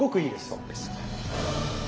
そうですか。